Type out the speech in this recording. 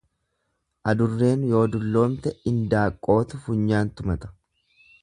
Adurreen yoo dulloomte indaaqqootu funyaan tumata.